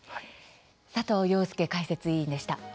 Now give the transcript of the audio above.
佐藤庸介解説委員でした。